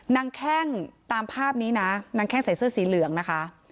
แข้งตามภาพนี้นะนางแข้งใส่เสื้อสีเหลืองนะคะ